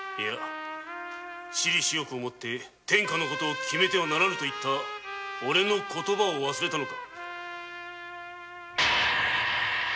「私利私欲をもって天下の事を決めてはならぬ」と言ったオレの言葉を忘れたのか？